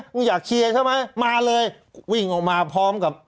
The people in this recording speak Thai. กูอยากเชียร์ใช่ไหมมาเลยวิ่งออกมาพร้อมกับ